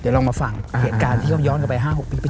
เดี๋ยวลองมาฟังเหตุการณ์ที่เขาย้อนกลับไป๕๖ปี